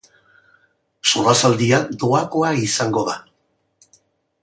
Solasaldia doakoa izango da.